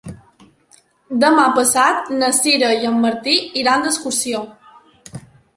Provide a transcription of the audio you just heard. Demà passat na Sira i en Martí iran d'excursió.